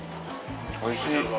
おいしい。